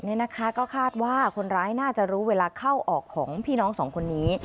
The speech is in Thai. นี่นะคะก็คาดว่าคนร้ายน่าจะรู้เวลาเข้าออกของพี่น้องสองคนนี้